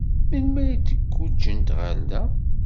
Melmi ay d-guǧǧent ɣer da?